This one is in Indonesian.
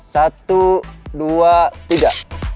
satu dua tiga